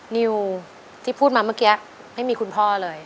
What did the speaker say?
นิวที่พูดมาเมื่อกี้ไม่มีคุณพ่อเลย